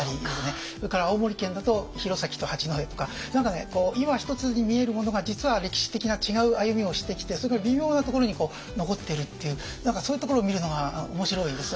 それから青森県だと弘前と八戸とか何かね今一つに見えるものが実は歴史的な違う歩みをしてきてそれが微妙なところに残っているっていう何かそういうところを見るのが面白いです。